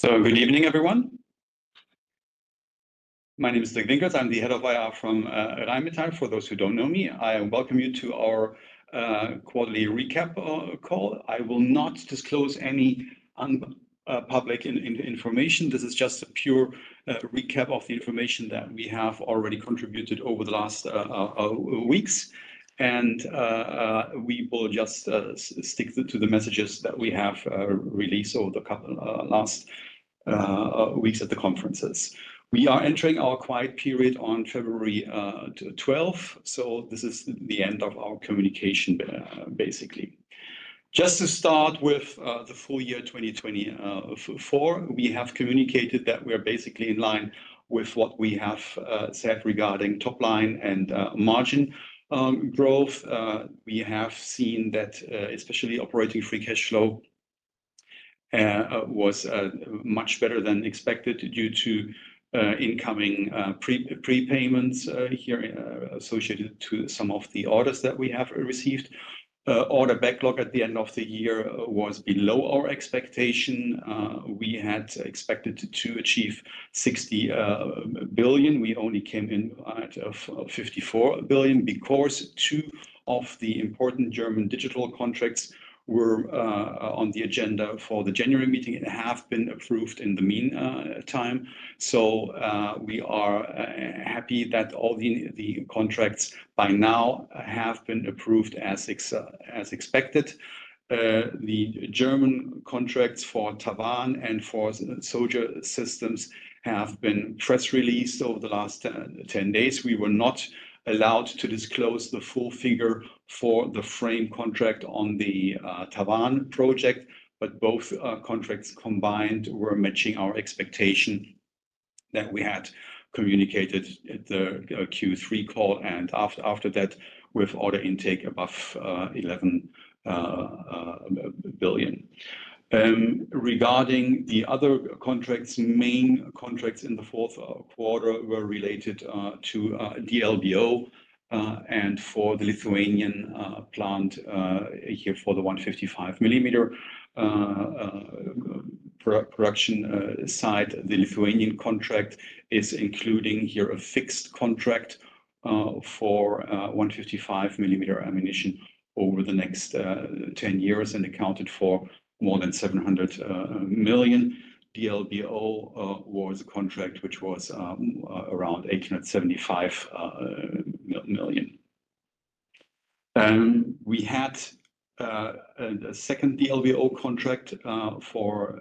Good evening, everyone. My name is Dirk Winkels. I'm the head of IR from Rheinmetall. For those who don't know me, I welcome you to our quarterly recap call. I will not disclose any public information. This is just a pure recap of the information that we have already contributed over the last weeks, and we will just stick to the messages that we have released over the last weeks at the conferences. We are entering our quiet period on February 12, so this is the end of our communication, basically. Just to start with the full year 2024, we have communicated that we are basically in line with what we have said regarding top line and margin growth. We have seen that, especially operating free cash flow, was much better than expected due to incoming prepayments here associated to some of the orders that we have received. Order backlog at the end of the year was below our expectation. We had expected to achieve 60 billion. We only came in at 54 billion because two of the important German digital contracts were on the agenda for the January meeting and have been approved in the meantime. So we are happy that all the contracts by now have been approved as expected. The German contracts for TaWAN and for Soldier Systems have been press released over the last 10 days. We were not allowed to disclose the full figure for the frame contract on the TaWAN project, but both contracts combined were matching our expectation that we had communicated at the Q3 call and after that with order intake above 11 billion. Regarding the other contracts, main contracts in the fourth quarter were related to D-LBO and for the Lithuanian plant here for the 155 millimeter production site. The Lithuanian contract is including here a fixed contract for 155mm ammunition over the next 10 years and accounted for more than 700 million. D-LBO was a contract which was around 875 million. We had a second D-LBO contract for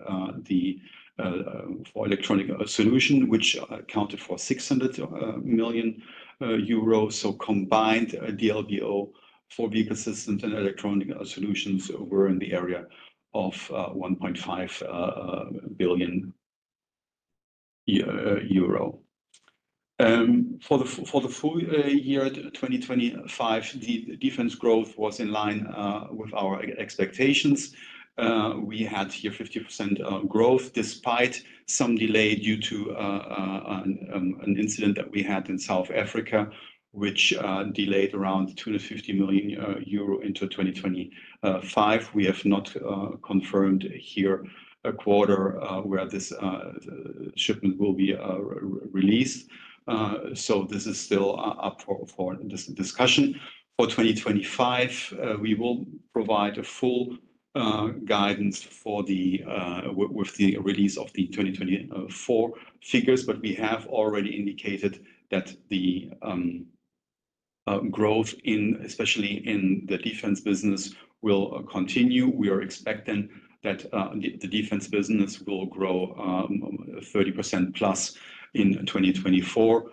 electronic solution, which accounted for 600 million euros. So combined, D-LBO for Vehicle Systems and Electronic Solutions were in the area of 1.5 billion euro. For the full year 2025, the defense growth was in line with our expectations. We had here 50% growth despite some delay due to an incident that we had in South Africa, which delayed around 250 million euro into 2025. We have not confirmed here a quarter where this shipment will be released. So this is still up for discussion. For 2025, we will provide a full guidance with the release of the 2024 figures, but we have already indicated that the growth, especially in the defense business, will continue. We are expecting that the defense business will grow 30% plus in 2024.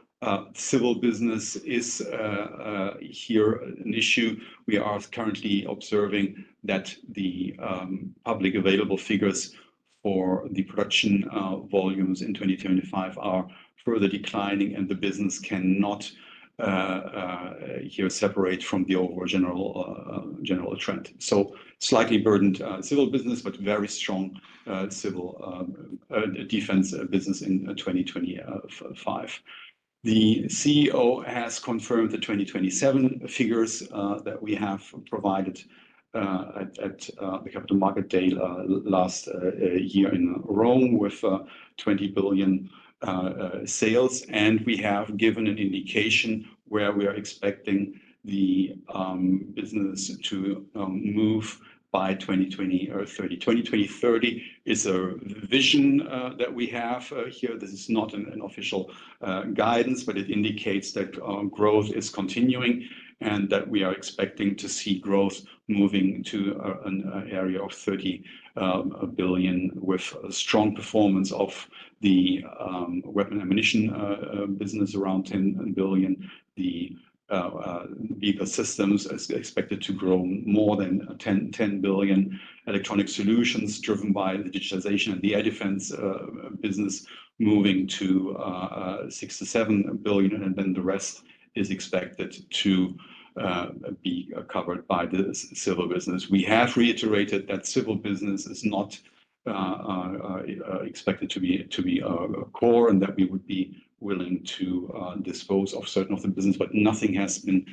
Civil business is here an issue. We are currently observing that the public available figures for the production volumes in 2025 are further declining, and the business cannot here separate from the overall general trend. So slightly burdened civil business, but very strong civil defense business in 2025. The CEO has confirmed the 2027 figures that we have provided at the capital market day last year in Rome with 20 billion sales, and we have given an indication where we are expecting the business to move by 2020 or 2030. 2030 is a vision that we have here. This is not an official guidance, but it indicates that growth is continuing and that we are expecting to see growth moving to an area of 30 billion with strong performance of the Weapon and Ammunition business around 10 billion. The vehicle systems are expected to grow more than 10 billion. Electronics solutions driven by the digitization and the Air Defense business moving to 6-7 billion, and then the rest is expected to be covered by the civil business. We have reiterated that civil business is not expected to be core and that we would be willing to dispose of certain of the business, but nothing has been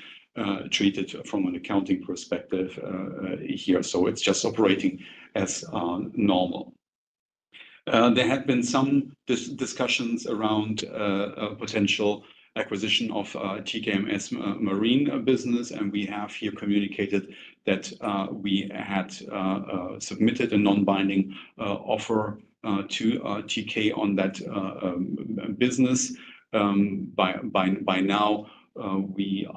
treated from an accounting perspective here, so it's just operating as normal. There had been some discussions around potential acquisition of TKMS Marine business, and we have here communicated that we had submitted a non-binding offer to TK on that business. By now, we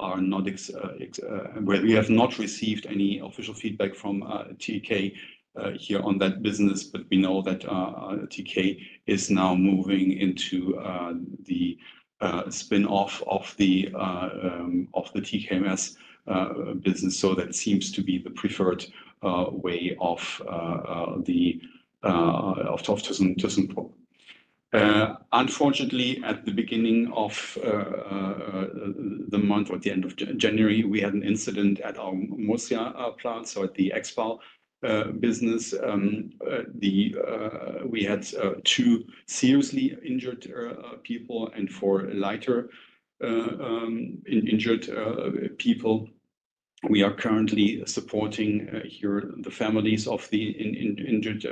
have not received any official feedback from TK here on that business, but we know that TK is now moving into the spin-off of the TKMS business, so that seems to be the preferred way of the. Unfortunately, at the beginning of the month or at the end of January, we had an incident at our Murcia plant. So at the Expal business, we had two seriously injured people and four lighter injured people. We are currently supporting here the families of the injured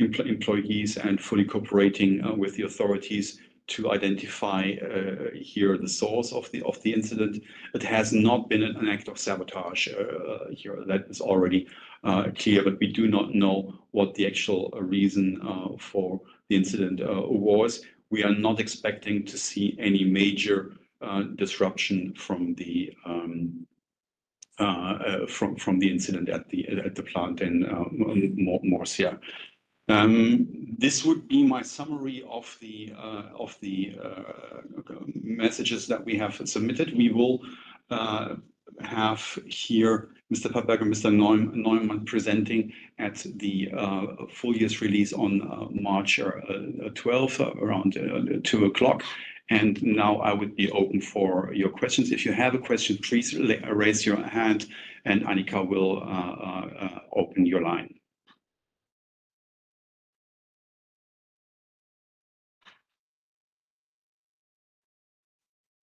employees and fully cooperating with the authorities to identify here the source of the incident. It has not been an act of sabotage here. That is already clear, but we do not know what the actual reason for the incident was. We are not expecting to see any major disruption from the incident at the plant in Murcia. This would be my summary of the messages that we have submitted. We will have here Mr. Papperger, Mr. Neumann presenting at the full year's release on March 12 around 2:00 P.M. And now I would be open for your questions. If you have a question, please raise your hand, and Anika will open your line.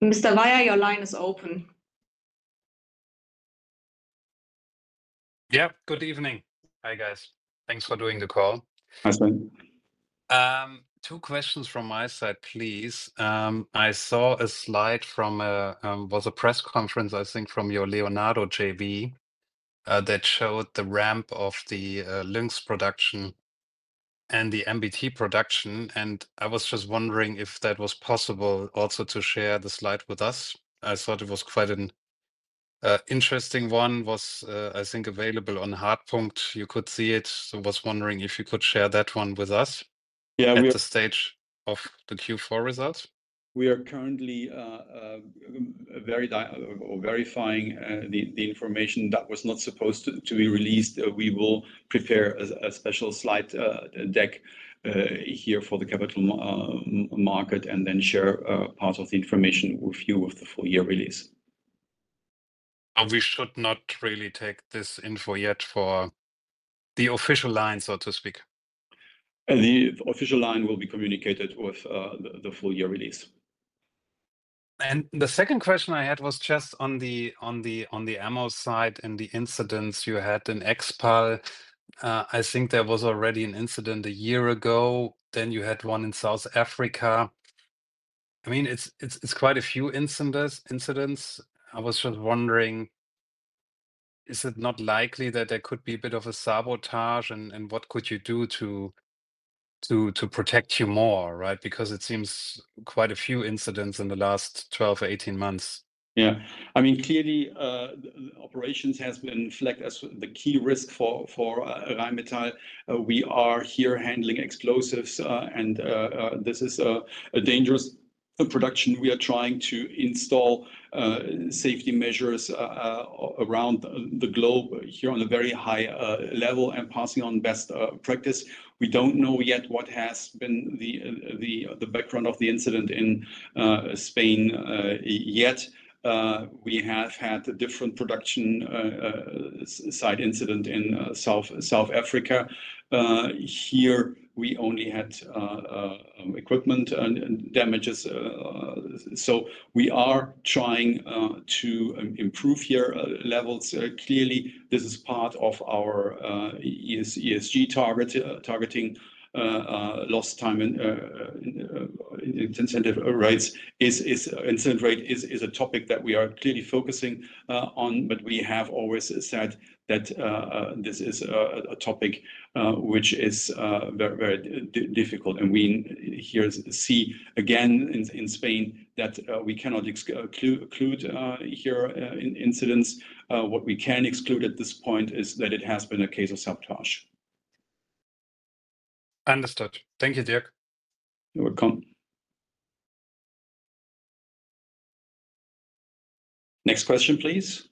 Mr. Weier, your line is open. Yeah, good evening. Hi guys. Thanks for doing the call. Hi, Sven. Two questions from my side, please. I saw a slide from a press conference, I think from your Leonardo JV, that showed the ramp of the Lynx production and the MBT production. And I was just wondering if that was possible also to share the slide with us. I thought it was quite an interesting one, was I think available on Hartpunkt. You could see it. So I was wondering if you could share that one with us at the stage of the Q4 results. We are currently verifying the information that was not supposed to be released. We will prepare a special slide deck here for the capital market and then share part of the information with you with the full year release. We should not really take this info yet for the official line, so to speak. The official line will be communicated with the full year release. The second question I had was just on the ammo side and the incidents you had in Expal. I think there was already an incident a year ago. Then you had one in South Africa. I mean, it's quite a few incidents. I was just wondering, is it not likely that there could be a bit of a sabotage and what could you do to protect you more, right? Because it seems quite a few incidents in the last 12 or 18 months. Yeah. I mean, clearly, operations has been flagged as the key risk for Rheinmetall. We are here handling explosives, and this is a dangerous production. We are trying to install safety measures around the globe here on a very high level and passing on best practice. We don't know yet what has been the background of the incident in Spain yet. We have had a different production site incident in South Africa. Here we only had equipment damages. So we are trying to improve here levels. Clearly, this is part of our ESG targeting lost time in incident rates. Incident rate is a topic that we are clearly focusing on, but we have always said that this is a topic which is very difficult. And we here see again in Spain that we cannot exclude here incidents. What we can exclude at this point is that it has been a case of sabotage. Understood. Thank you, Dirk. You're welcome. Next question, please.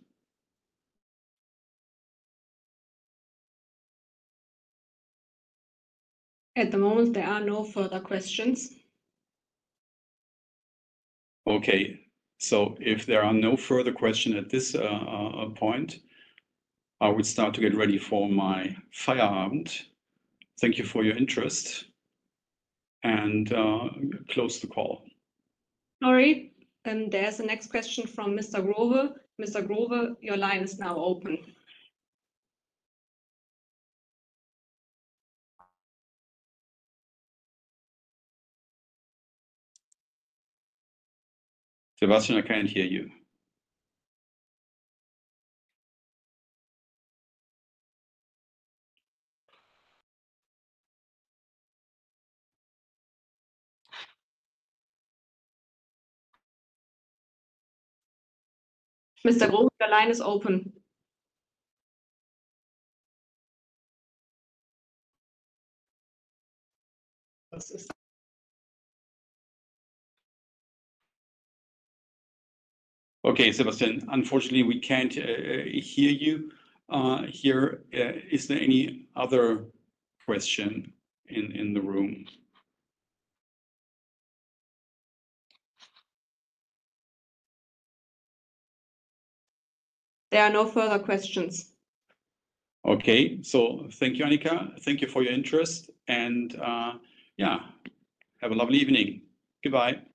At the moment, there are no further questions. Okay. So if there are no further questions at this point, I would start to get ready for my final remarks. Thank you for your interest. And close the call. All right. And there's a next question from Mr. Growe. Mr. Growe, your line is now open. Sebastian, I can't hear you. Mr. Growe, your line is open. Okay, Sebastian, unfortunately, we can't hear you here. Is there any other question in the room? There are no further questions. Okay, so thank you, Anika. Thank you for your interest, and yeah, have a lovely evening. Goodbye.